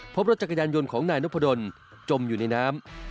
พบรถจักรยานยนต์ของนายนพดลจมอยู่ในน้ำ